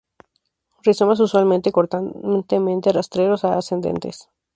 Rizomas usualmente cortamente rastreros a ascendentes.